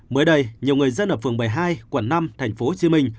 mới đây nhiều người dân ở phường một mươi hai quận năm tp hcm